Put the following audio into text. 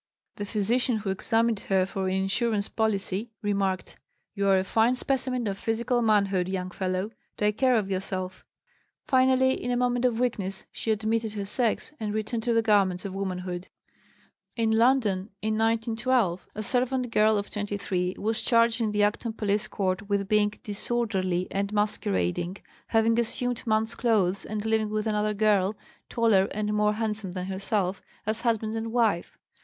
The physician who examined her for an insurance policy remarked: "You are a fine specimen of physical manhood, young fellow. Take good care of yourself." Finally, in a moment of weakness, she admitted her sex and returned to the garments of womanhood. In London, in 1912, a servant girl of 23 was charged in the Acton Police Court with being "disorderly and masquerading," having assumed man's clothes and living with another girl, taller and more handsome than herself, as husband and wife.